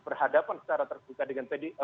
berhadapan secara terbuka dengan pdi